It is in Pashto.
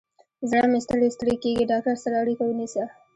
زړه مې ستړی ستړي کیږي، ډاکتر سره اړیکه ونیسه